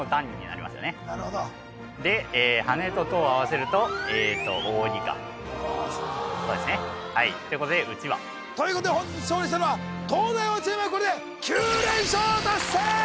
なるほどで「羽」と「戸」をあわせると「扇」かそうですねということで団扇ということで本日勝利したのは東大王チームこれで９連勝達成！